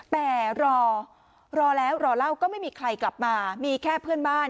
แต่รอรอแล้วรอเล่าก็ไม่มีใครกลับมามีแค่เพื่อนบ้าน